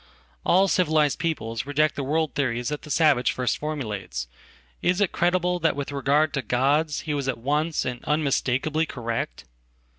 All civilized peoples reject theworld theories that the savage first formulates. Is it crediblethat with regard to gods he was at once and unmistakably correct?